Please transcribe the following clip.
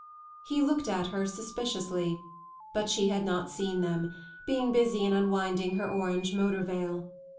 He looked at her suspiciously, but she had not seen them, being busy in unwinding her orange motorveil.